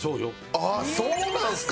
あっそうなんですか！